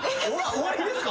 終わりですか？